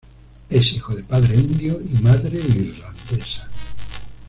Es hijo de padre indio y madre irlandesa.